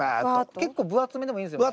結構分厚めでもいいんですよね。